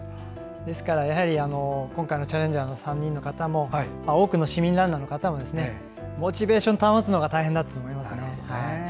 ですから、今回のチャレンジャーの３人の方も多くの市民ランナーの方もモチベーションを保つのが大変だったと思います。